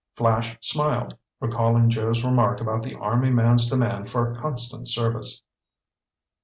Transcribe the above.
Flash smiled, recalling Joe's remark about the army man's demand for constant service.